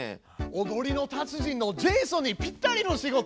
踊りの達人のジェイソンにぴったりの仕事！